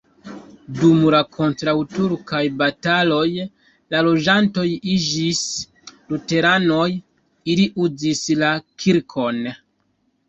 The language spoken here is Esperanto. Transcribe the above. Dum la kontraŭturkaj bataloj la loĝantoj iĝis luteranoj, ili uzis la kirkon.